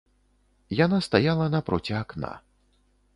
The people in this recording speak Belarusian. Яна стаяла напроці акна.